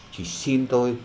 chỉ xin tôi